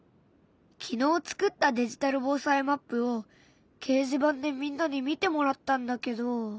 昨日作ったデジタル防災マップを掲示板でみんなに見てもらったんだけど。